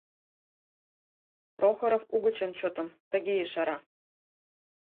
Прохоров угычын чотым тыге ешара.